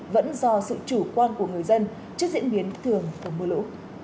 vẫn do sự chủ quan của người dân trước diễn biến thường của mưa lũ